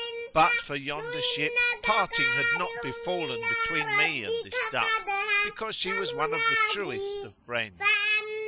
But for yonder ship, parting had not befallen between me and this duck, because she was one of the truest of friends."